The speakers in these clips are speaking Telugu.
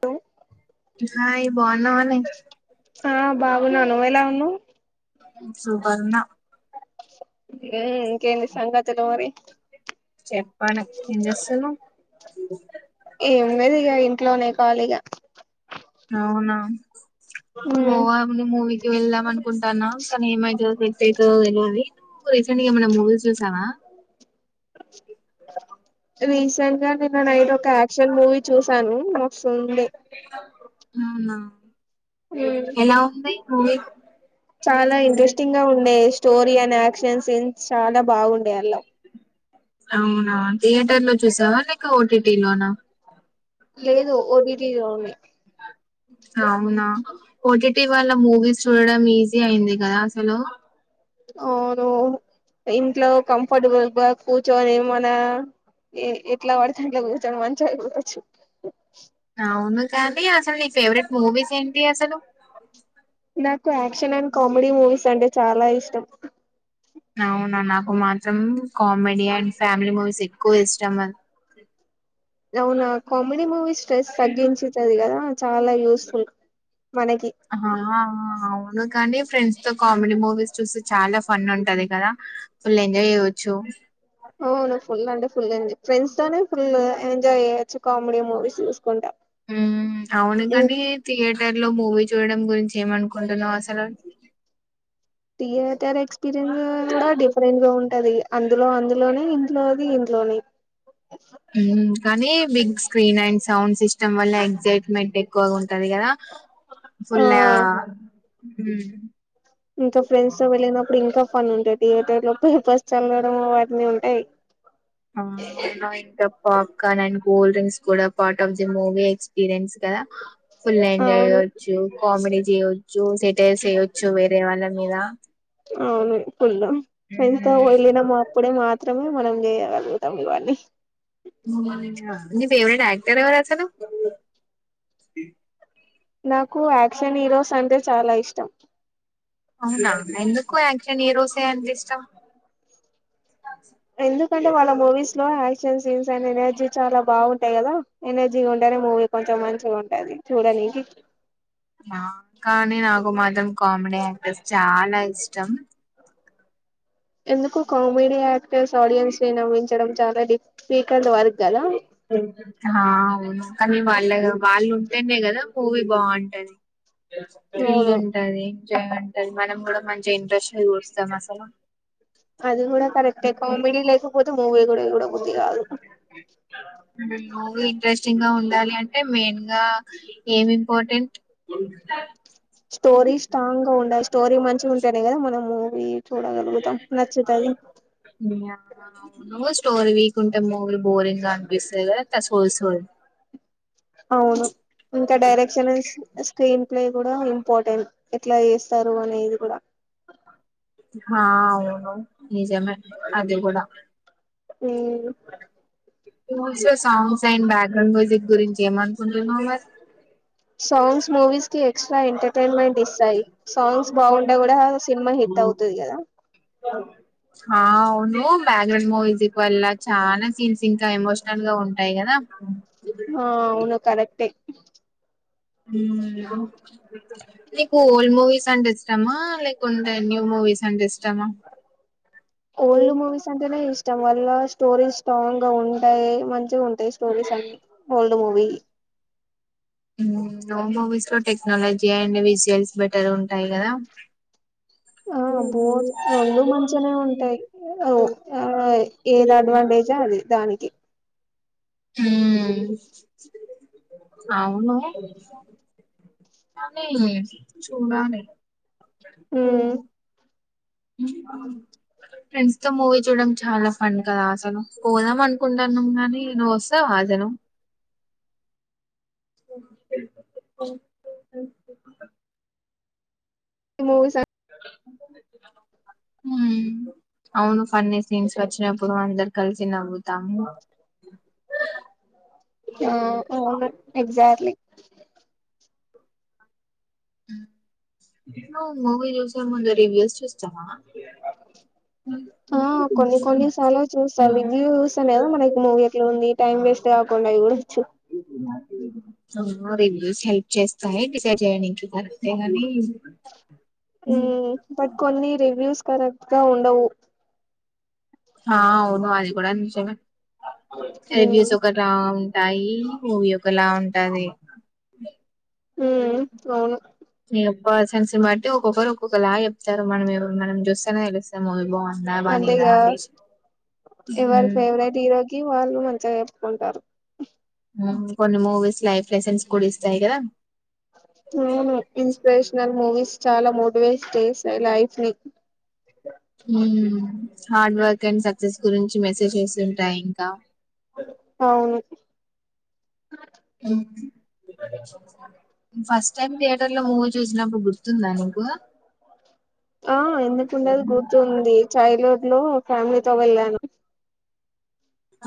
పో కి సైడ్ బాగున్నా వానే ఆ బాగున్నా నువ్వు ఎలా ఉన్నావ్ ఏ ఇంకేంది సంగతులు మరి చెప్పాను ఏం చేస్తున్నావు ఇందు ఏం లేదిగా ఏం ఇంట్లోనే కాలిగా అవునా నువా ను మూవీకి వెళ్దాం అనుకుంటాన్నా కానీ ఏమవుతుందో సెట్ అవుతుందో తెలిది నువ్వు రీసెంట్గా ఏమైనా మూవీస్ చూశావా రీసెంట్ గా నిన్న నైట్ ఒక యాక్షన్ మూవీ చూశాను అవునా ఉమ్ ఎలా ఉంది మూవీ చాలా ఇంట్రెస్టింగ్గా ఉండే స్టోరీ అండ్ యాక్షన్ సీన్స్ చాలా బాగుండే అల్లా అవునా థియేటర్ లో చూసావా లే ఓటిటీ టి లోనా లేదు ఓటిటి కాని అవునా ఓటీటి వాళ్ళ మూవీస్ చూడడం ఈజీ అయింది కదా అసలు అవును ఇంట్లో కంఫర్టబుల్గా కూర్చొని మన ఎట్లా పడితే ఇంట్లో కూర్చొని మంచిగా చూడోచ్చు. అవును కానీ అసలు నీ ఫేవరెట్ మూవీస్ ఏంటి అసలు [inaudible] నాకు యాక్షన్ అం కామెడీ మూవీస్ అంటే చాలా ఇష్టం త అవునా నాకు మాత్రం కామెడీ అండ్ ఫ్యామిలీ మూవీస్ ఎక్కువ ఇష్టం అవునా కామెడీ మూవీస్ స్ట్రెస్ తగ్గించితదిగదా చాలా యూస్ఫుల్ మనకి ఆ అవును కానీ ఫ్రెండ్స్ తో కామెడి మూవీస్ చూసి చాలా ఫన్ ఉంటది కదా ఫుళ్ళు ఎంజాయ్ చేయచ్చు అవునా ఫుల్ అండి ఫుల్ అండి ఫ్రెండ్స్ తోనే ఫుల్ ఎంజాయ్ చేయచ్చు. కామెడీ మూవీస్ చూసుకుంటా ఉమ్ అవును కాని తియే టర్ లో మూవీ చూడడం గురించి ఏమనుకుంటున్నావు అసలు థియేటర్ ఎక్స్ ఎపీరియన్ కూడా డిఫరెంట్ గా ఉంటది అందులో అందులోనే నాది ఇంట్లోనే హు కానీ big screen and sound system వల్ల ఎక్సయిట్మెంటే ఎక్కువగా ఉం అది కదా ఆ ఫుల్ ఉమ్ హు ఇంకా ఫ్రెండ్స్ తో వెళ్ళినప్పుడు ఇంకా ఫన్ ఉంటది థియేటర్ లో పేపర్స్ చల్లడం వాటిని ఏయ్ ఆ అవునవును ప్ పాప్కార్న్ అండ్ కూల్ డ్రింక్స్ కూడా part of the movie experience కదా ఫుల్ ఎంజాయ్ అవును చేయచ్చు. కామెడీ చేయచ్చు. సిటల్స్ చేయొచ్చు వేరే వాళ్ళ మీద అ అవును ఫుల్ ఫ్రెండ్ తో ఉమ్, వెళ్లినం మాత్రం మాత్ తమ మనం చేయగలుగుతం ఇవన్నీ ని ఫేవరెట్ యాక్టర్ ఎవరు అసలు నాకు యాక్ట్ యక్షన్ హీరోస్ అంటే చాలా ఇష్ టం అవునా ఎందుకు యా క్షన్ హీరోస్ అంటే ఇష్టం ఎందుకంటే వాళ్ళ మూవీస్లో క్షన్ సీన్స్ అ ఎనర్జీ చాల బాగుంటాయి కదా ఎనర్జీగా ఉండే మూవీ కొంచెం మంచి చిగ ఉంటది చూడనికి మా కానీ నాకు మాత్రం కామెడీ యాక్టర్స్ చాల ఇష్టం ఎందుకు కామెడీ యాక్టర్స్ ఆడియన్స్ని నవ్వించడం చాలా మరి స్పీక హ అవును కానీ వాళ్ళెగా వాళ్ళు తెనే కదా మూవీ బాగుంటది త్రిల్ అవును ఉంటది చిగా ఉంటె మనం కూడ మంచి ఇంట్రెస్ట్గా చూస్తాం అసలు అది కూడా కరెక్టే కామెడి లేకపోతే మూవి కూడా చూడ బుద్ధి కాదు మూవ ఇంట్రెస్టింగ్ గా ఉండాలి అంటే మెయిన్ గా ఏమ్ ఇంపార్టెంట్ స్టోరీ స్ట్రాంగ్ గా ఉండయి స్టోరీ మంచిగ ఉంటేనే కదా మనము హు స్టోరీ వీకుంట మూవీ బోరింగ్ అనిపిస్తది కదా యిస్ోయి అవును ఇంక డైరెక్షన్ స్క్రీన్ ప్లే కూడ ఇంపార్టెంట్ ఎట్ల చేస్తారు అనేది కూడా హా అవును నిజమే అది కూడ ఉమ్, సాంగ్స్ యె బ్యాగ్ రంగోజిక్ గురించి ఏమన్ కొంటున్నావ్ మరి మూవిస్కి ఎక్స్ట్రా ఎంటర్టైన్మెంట్ ఇస్తాయి సాంగ్స్ బాగుంటే కూడా సినిమా హిట్ అవుతది కదా హా అవును బ్యాక్గ్రౌండ్ మూవీస్ వల్ల చాలా సీన్స్ ఇంక ఎమోష్నల్ గా ఉంటాయి కదా హ అవును కరెక్టే ఉమే నీకు ఓల్డ్ మూవీస్ అంటె ఇష్టమా కొండె న్యూ మూవీస్ అంటే ఇష్టమా ఓల్డ్ మూవీస్ అంటేనే ఇష్టం వల్ల స్టోరేజ్ స్ట్రాంగ్ గా ఉంటయి మంచిగా ఉంట టె స్టోరీస్ అన్ని ఇత్త మూవి ఉహ్ నో మూవీస్ లో టెక్నాలజీ జండివిజువల్స్ బెటర్ ఉంటాయి కదా ఆ బోజ రెండు మంచినే ఉంటాయి ఓ ఆ ఏది అడ్వాంటేజా అది దానికి హ్మ్ అవును కానీ చూడాలి హ ఉమ్, ఫెండ్స్‌తో మూవీ చూడం చాలా ఫండ్ కదా ఆసలు పోదాం అనుకుంటున్నాం, గాని నువ్వు వస్తావ అసలు ఈ మూవీస హ్మ్ అవును ఫన్నీ సీన్స్ వచ్చినప్పుడు అందరు కలిసి నవ్వుతాము ఆ అవును ఎక్జాట్లీ హ్మ్ నువ్వు మూవీ చూసే ముందు రివ్యూస్ చూస్ ఆ కొన్ని కొన్ని సార్లు చూస్తారు. రివ్యూస్ అనేద మనకి మూవీ ఎట్లా ఉంది. టైమ్ వేస్ట్ కాకుండా అవి కూడాచ్చు. ఏమో రివ్యూస్ హై చేస్తాయి డిసైడ్ చేయనికి అంతేగ అండి హ్మ్ బట్ కొన్ని రివ్యూస్క్ కరెక్టుగా ఉండవు ఆ అవును అది కూడా నిజమే ఉమ్ చెర్రీస్ ఒకేలా ఉంటాయి మూవీ ఒకలా అంటదే హ్మ్ అవును నీ అబ్బా సంసి మాట్టి ఒకబరుకు ఒకలా తారు మనంఎవరు మనం జూస్తేనే వెళ అంతేగా ఎవరి హ్మ్. ఫేవరెట్ హీరోకి వాళ్ళు మంచిగా కుంటారు కొన్ని మూవీస్ లైఫ్ లెసన్స్ కూడా ఇస్తాయి కదా అవును ఇన్స్పిరేషనల్ మూవీస్ చాలా మోటివేట్ చేస్తాయిలైఫ్ ని హ్మ్ హార్డ్ వర్క్ అండ్ సక్సెస్ గురించి మెసేజ్ చేస్తుంటాయి ఇంకా అవును ఫస్ట్ టైమ్ థియేటర్ లో మూవీ చూసినప్పుడు గుర్తుందా నీకు ఆ ఎందుకు ఉండదు గుర్తుంది చైల్డ్ హుడ్ లో ఫ్యామిలీతోో వెళ్ళాను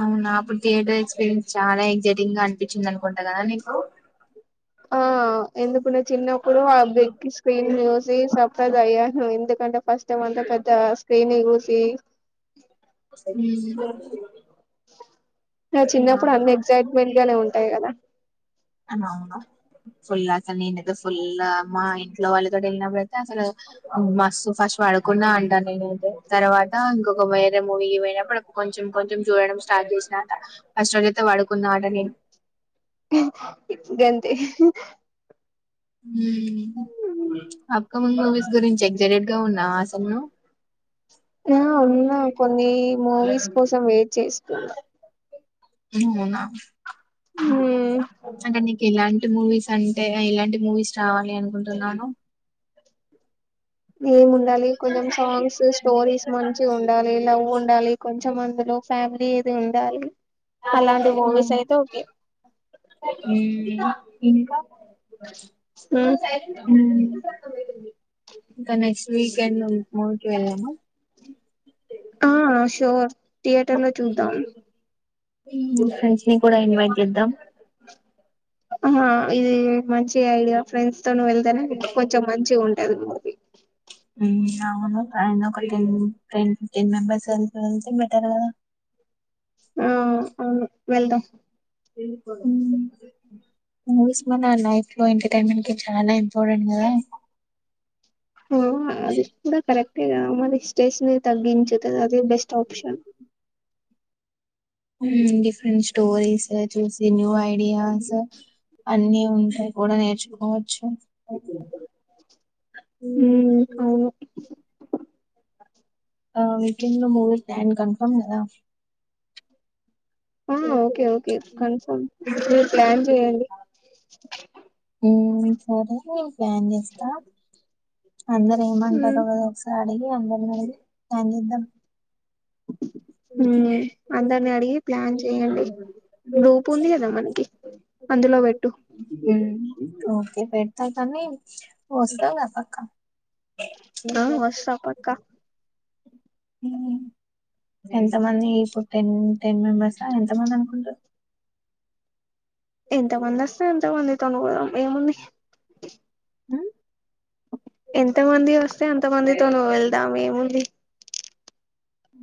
అవునా అప్పుడు థియేటర్ ఎక్స్పీరియన్స్ చాలా అయింది జటింగ్ అనిపించింది అనుకుంటా కదా నీకు ఆ ఎందుకుంటే చిన్నప్పుడు ఆ బిగ్ స్క్రీన్ చూసి సర్ప్రైజ్ అయ్యాను ఎందుకు ఫస్ట్ టైం అంత పెద్ద సేనే ఊసి హ్మ్మ్ నా చిన్నప్పుడు అన్ని ఎగ్సైట్మెంట్ గానే ఉంటాయి కదా అ అవునా ఫుల్ అసలు నేనుదో ఫుల్ మా ఇంట్లో వాళ్ళతో వెళ్ళినప్పుయితే అసలు మస్తు ఫస్ట్ పడుకున్నా అంట నేను అయితే తర్వాత ఇంకొక మూవీ కి పోయినాప్పుడు కొంచం కొంచెం చూడడం స్టార్ట్ చేంది అస్ట్రోలియాతే వాడు కొన్నాడనే గంతే హ్మ్మ్ అప్కమింగ్ మూవీస్ గురించి ఎక్్జైటెడ్ గా ఉన్నా అసలు నువ్వు ఆ ఉన్నా కొన్ని మూవీస్ కోసం వెయిట్ చేసి అవునా మ్మ్ అంటే నీకు ఎలాంటి మూవీస్ అంటే ఇలాంటి మూవీస్ రావాలి అనుకుంటున్నాను ఏం ఉండాలి కొంచెం సాంగ్స్ స్టోరీస్ మంచి ఉండాలి లవ్ ఉండాలి కొంచెం అందులో ఫ్యామిలీ ఏది ఉండాలి అలాంటి మూవీస్ అయితే ఓకే హ్మ్మ్ ఇంకా హ్మ్మ్ ఇంకా నెక్స్ట్ వీకెండ్ మూవీకి వెళ్దామా ఆ షూర్ థియేటర్ లో చూద్దాం ఫ్రెండ్స్ ని కూడా ఇన్వైట్ చేద్దాం ఆ ఇది మంచిగా ఐడియా ఫ్రెండ్స్ తను వెళ్తేనే కొంచెం మంచిగా ఉంటది మూవీ హ్మ్ అవును ఆయన ఒక యంగ్ ట్రెండ్ ఎన్ మెంబర్స్ వెళ్ళి వెళ్తాం బెటర్ కదా [inaudible] ఆ అవును వెళ్దాం మూవీస్ నా లైఫ్ లో ఎంటర్టైన్మెంట్ కి చాలా ఇంపార్టెంట్ కదా ఆ అది కూడా కరెక్టే గా మరి స్ట్రెస్ ని తగ్గించుతుది అదే బెస్ట్ ఆప్షన్ హ్మ్ డిఫరెంట్ స్టోరీస్ చూసి న్యూ ఐడియాస్ అన్నీ ఉంటాయి కూడా నేర్చుకోవచ్చు హ్మ్ అవును ఆ వీకెండ్ లో మూవీ ప్లాన్ కన్ఫర్మ్ కదా ఆ ఓకే ఓకే కన్ఫమ్ మీరు ప్లాన్ చేయండి హ్మ్ సరే నేను ప్లాన్ చేస్తా అందరూ ఏం ఉమ్ అంటారో కదా ఒకసారి అందరినీ అడిగి ప్లాన్ చేద్దాం హ్మ్ అందరిని అడిగి ప్లాన్ చెయ్యండి చేద్దాం. గ్రూప్ ఉంది కదా మనకి అందులో పెట్టు పెడత కాని వస్తావుగా పక్క ఆ వస్తా పక్క హుమ్మ్ ఎంత మంది ఈ పుట్టన్ టెన్ మెంబెర్స్ ఆ ఎంత మంది అనుకుంటు ఎంతమంది వస్తే అంతమంది తనుకోదాం ఏముంది ఉ ఎంతమంది వస్తే అంత మందితోను వెళ్దాం ఏముంది.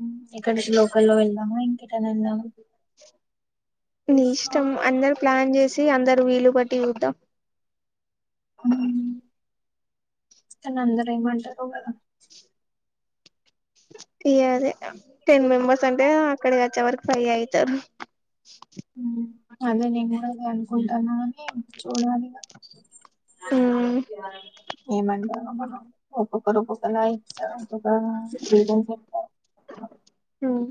ఉమ్ ఇక్కడికి లోకల్లో వెళ్దామా ఇంక్ కిట్టనేందామ్ నీ ఇష్టం అందరు ప్లాన్ చేసి అందరు వీలు బట్టి చూద్దాం హు హ్మ్ స్తున్న అందరు ఏమంటారో కదా యాదే టెన్ మెంబెర్స్ అంటే అక్కడికి వచ్చే వరకు ఫైవ్ అయితది స యూ అదే నిను కూడా అదే అనుకుంటా ఉన్నా చూడాలి ఇగ ఉమ్ ఏమండి ఒక్కొకరు ఒక్కోలా ఇప్పిస్తారు ఒక త్రి టైమ్స్ చెప్తారు ఉమ్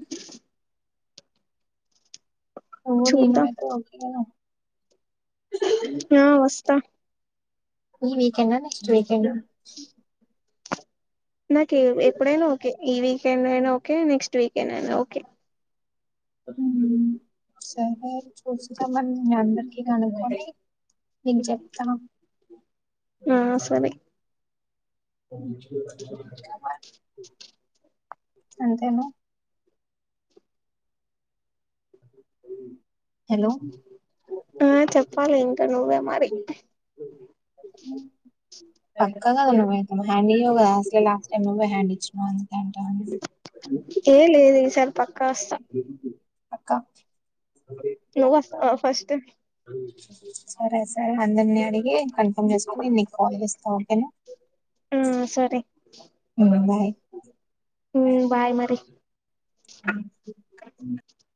నువ్వు నేను చూద్దాం అయితే ఒకే అను ఆ వస్తా ఈ వీకెండా అ నెక్స్ట్ వీకెండా అ నాకు ఎప్పుడైనా ఓకే ఈ వీకెండ్ అయినా ఓకే నెక్స్ట్ వీకెండ్ అయినా ఓకే హ సరే చూస్తద్దామని నే అందరికి కనుకొని నీకు చెప్తా ఆ సరే అంతేనా హలో ఆ చెప్పాలి ఇంకా నువ్వే మరి పక్క కదా ను అయితే హ్యాండ్ ఇయ్యావు కదా అసలే లాస్ట్ టైం నువ్వే హ్యాండ్ ఇచ్చినావ్ [unintelligible] ఏ లేదు ఈసారి పక్ అక్కా నువ్వు వస్తావా ఫస్ట్ సరే అందరిని అడిగి కన్ఫర్మ్ చేసుకొని నీకు కాల్ చేస్తా ఓకేనా ఆ సరే బాయ్ హ బాయ్ మరి